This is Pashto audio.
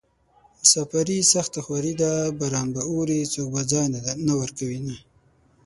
مساپري سخته خواري ده باران به اوري څوک به ځای نه ورکوينه